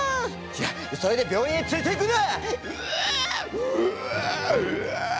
じゃあそれで病院へ連れて行くぞ！